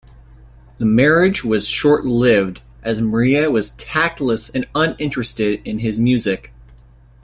The marriage was short-lived, as Maria was tactless and uninterested in his music.